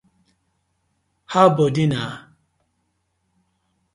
How bodi na?